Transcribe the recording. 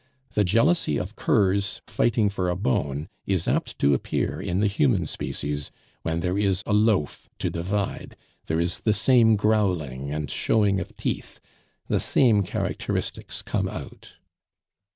The jealousy of curs fighting for a bone is apt to appear in the human species when there is a loaf to divide; there is the same growling and showing of teeth, the same characteristics come out.